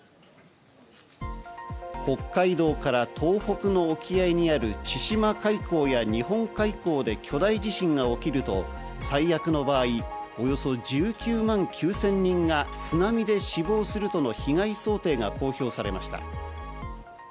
北海道から東北の沖合にある千島海溝や日本海溝で巨大地震が起きると、最悪の場合、およそ１９万９０００人が津波で死亡するとの被害想定が公表されました。